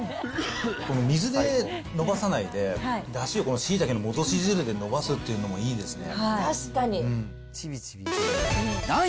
この水でのばさないで、だし、このしいたけの戻し汁でのばすっていうのもいいですね。